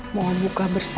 mau buka berikutnya